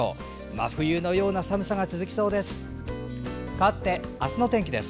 真冬のような寒さが続きそうです。